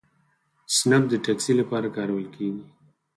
اسنپ د ټکسي لپاره کارول کیږي.